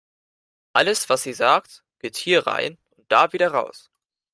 Alles, was sie sagt, geht hier rein und da wieder raus.